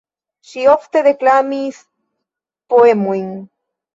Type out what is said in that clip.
Ŝi ofte deklamis poemojn.